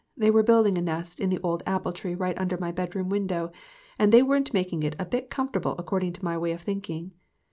They were building a nest in the old apple tree right under my bedroom window, and they weren't making it a bit comfortable according to my way of thinking.